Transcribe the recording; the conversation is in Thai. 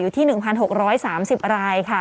อยู่ที่๑๖๓๐รายค่ะ